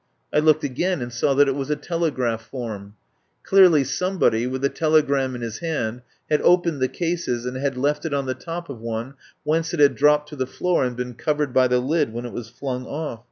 I looked again, and saw that it was a telegraph form. Clearly somebody, with the telegram in his hand, had opened the cases, and had left it on the top of one, whence it had dropped to the floor and been covered by the lid when it was flung off.